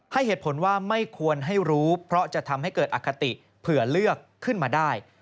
ให้เหตุผลว่าไม่ควรให้รู้เพราะจะทำให้เกิดอคติเผื่อเลือกขึ้นมาได้